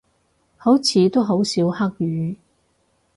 好似都好少黑雨